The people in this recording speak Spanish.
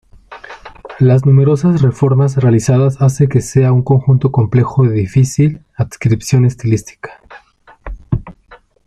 Las numerosas reformas realizadas hace que sea un conjunto complejo de difícil adscripción estilística.